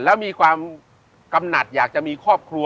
แล้วมีความกำหนักอยากจะมีครอบครัว